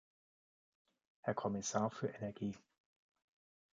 Herr Kommissar für Energie!